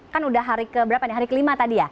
kan udah hari keberapa nih hari kelima tadi ya